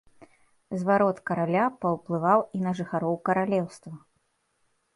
Зварот караля паўплывала і на жыхароў каралеўства.